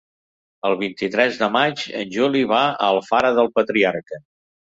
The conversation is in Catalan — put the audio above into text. El vint-i-tres de maig en Juli va a Alfara del Patriarca.